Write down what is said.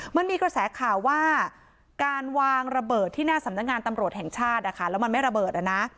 มันมีกระแสข่าวว่าการวางระเบิดที่หน้าสำนักงานตำรวจแห่งชาติแล้วมันไม่ระเบิด